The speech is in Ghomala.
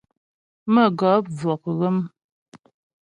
Mə̌gɔp vɔk ghə́m.